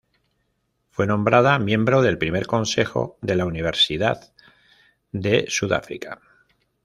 Fue nombrada miembro del primer Consejo de la Universidad de Sudáfrica.